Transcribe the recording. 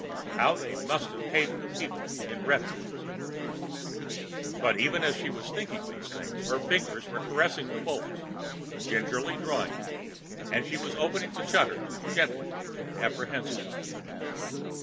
How they must have hated the people in refuges! But even as she was thinking these things, her fingers were caressing the bolts, gingerly drawing them, and she was opening the shutters gently, apprehensively.